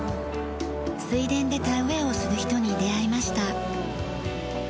水田で田植えをする人に出会いました。